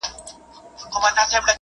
ویره مو په خپلو پښو مه تړئ.